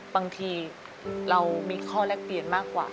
บางทีเรามีข้อแลกเปลี่ยนมากกว่า